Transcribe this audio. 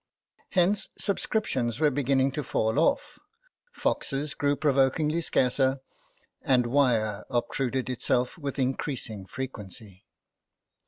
Hence subscriptions were beginning to fall off, foxes grew provokingly scarcer, and wire obtruded itself with increasing frequency.